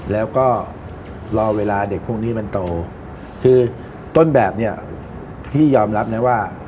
แล้วก็รอเวลาเด็กพวกนี้มันโตคือต้นแบบเนี่ยพี่ยอมรับนะว่า